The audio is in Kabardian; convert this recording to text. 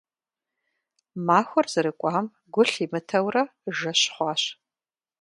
Махуэр зэрыкӀуам гу лъимытэурэ, жэщ хъуащ.